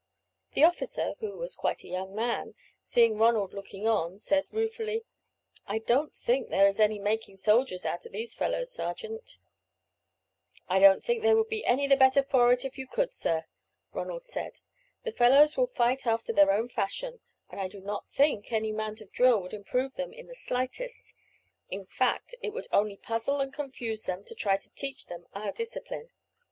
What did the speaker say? The officer, who was quite a young man, seeing Ronald looking on, said, ruefully: "I don't think there is any making soldiers out of these fellows, sergeant." "I don't think they would be any the better for it if you could, sir," Ronald said. "The fellows will fight after their own fashion, and I do not think any amount of drill would improve them in the slightest; in fact, it would only puzzle and confuse them to try to teach them our discipline.